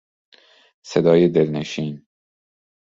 صدای دلنشین